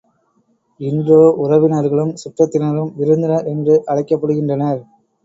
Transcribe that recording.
இன்றோ உறவினர்களும் சுற்றத்தினரும் விருந்தினர் என்று அழைக்கப்படுகின்றனர்.